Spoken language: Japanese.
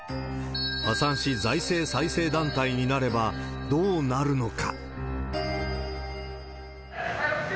破産し財政再生団体になればどうなるのか。